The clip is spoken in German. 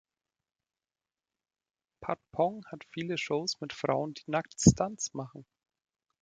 Patpong hat viele Shows mit Frauen, die nackt Stunts machen.